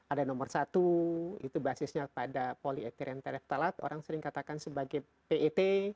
ada nomor satu itu basisnya pada polyetherine teleptalat orang sering katakan sebagai pet